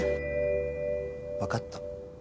わかった。